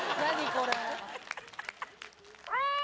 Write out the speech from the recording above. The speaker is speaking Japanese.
これ。